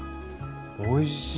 おいしい。